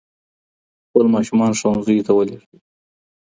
خپل ماشومان ښوونځيو ته ولېږئ.